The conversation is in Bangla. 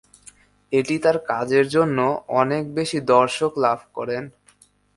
এটি তাঁর কাজের জন্য অনেক বেশি দর্শক লাভ করে।